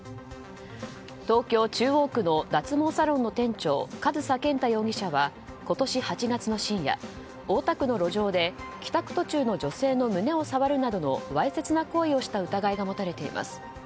東京・中央区の脱毛サロンの店長上総健太容疑者は今年８月の深夜、大田区の路上で帰宅途中の女性の胸を触るなどのわいせつ行為をした疑いが持たれています。